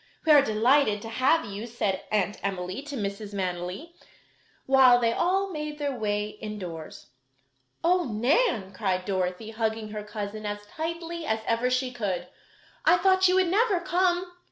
"We are delighted to have you," said Aunt Emily to Mrs. Manily, while they all made their way indoors. "Oh, Nan!" cried Dorothy, hugging her cousin as tightly as ever she could, "I thought you would never come!"